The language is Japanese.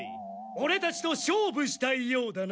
オレたちと勝負したいようだな？